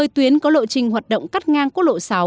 một mươi tuyến có lộ trình hoạt động cắt ngang quốc lộ sáu